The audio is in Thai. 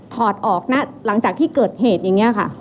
ถอดออกนะหลังจากที่เกิดเหตุอย่างนี้ค่ะ